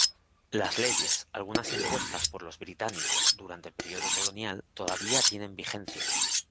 Las leyes, algunas impuestas por los británicos durante el período colonial, todavía tienen vigencia.